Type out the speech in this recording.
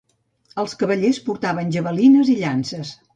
Els cavallers portaven javelines i llances.